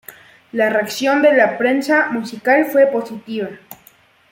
La reacción de la prensa musical fue positiva.